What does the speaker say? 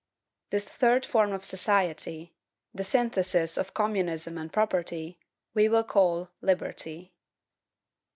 This third form of society, the synthesis of communism and property, we will call LIBERTY.